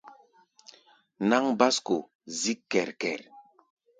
Náŋ básko zík kɛr-kɛr.